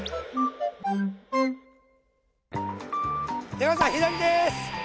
出川さん左です。